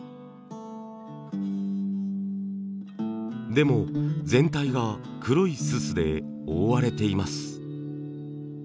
でも全体が黒いススで覆われています。